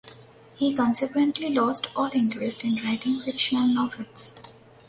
He consequently lost all interest in writing fictional novels.